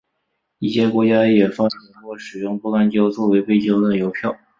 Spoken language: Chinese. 一些国家也发行过使用不干胶作为背胶的邮票。